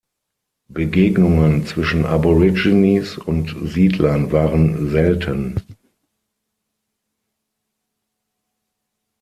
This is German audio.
Begegnungen zwischen Aborigines und Siedlern waren selten.